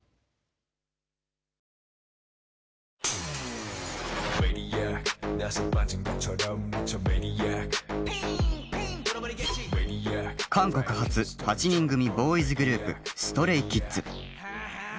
韓国発８人組ボーイズグループＳｔｒａｙＫｉｄｓ。